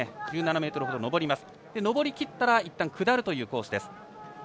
そして上りきったらいったん下るというコースです。